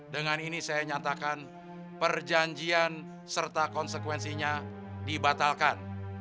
dengan ini saya nyatakan perjanjian serta konsekuensinya dibatalkan